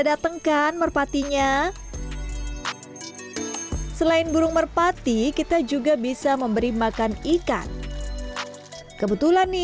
datangkan merpatinya selain burung merpati kita juga bisa memberi makan ikan kebetulan nih